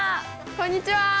こんにちは！